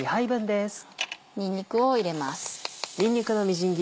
にんにくを入れます。